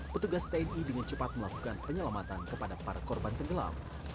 petugas tni dengan cepat melakukan penyelamatan kepada para korban tenggelam